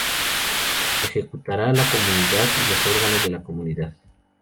Lo ejecutará la comunidad y los órganos de la comunidad.